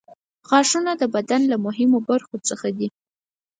غاښونه د بدن له مهمو برخو څخه دي.